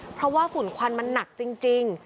เพราะว่าฝุ่นควันมันหนักจริง